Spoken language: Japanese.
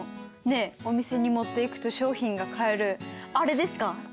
お店に持っていくと商品が買えるあれですか？